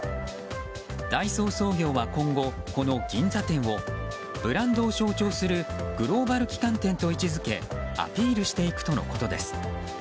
ダイソー創業は今後この銀座店をブランドを象徴するグローバル旗艦店としてアピールしていくとのことでした。